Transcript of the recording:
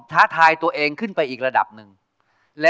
จ้าวรอคอย